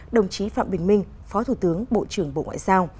đồng chí phạm bình minh phó thủ tướng bộ trưởng bộ ngoại giao